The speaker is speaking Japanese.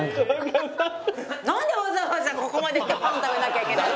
なんでわざわざここまで来てパン食べなきゃいけないの？